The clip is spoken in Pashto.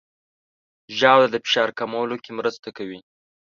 ژاوله د فشار کمولو کې مرسته کوي.